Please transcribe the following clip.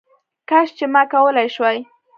کش چي ما کولې شواې